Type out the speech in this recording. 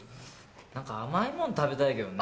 何か甘いもん食べたいけどね。